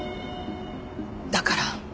だから。